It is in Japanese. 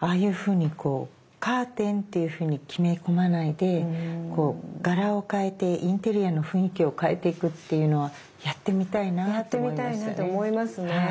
ああいうふうにこうカーテンっていうふうに決め込まないでこう柄を変えてインテリアの雰囲気を変えていくっていうのはやってみたいなと思いましたね。